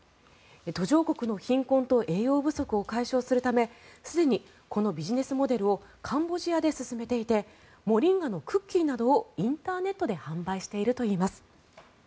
途上国の貧困と栄養不足を解消するためすでにこのビジネスモデルをカンボジアで進めていてモリンガのクッキーなどをインターネットで販売しているといいます。